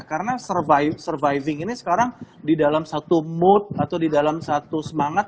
karena surviving ini sekarang di dalam satu mood atau di dalam satu semangat